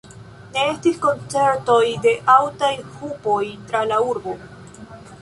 Ne estis koncertoj de aŭtaj hupoj tra la urbo.